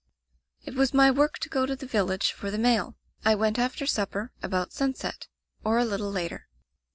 "It was my work to go to the village for the mail. I went after supper, about sunset, or a little later.